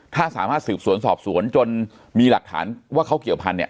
ถ้าสามารถสืบสวนสอบสวนจนมีหลักฐานว่าเขาเกี่ยวพันธุเนี่ย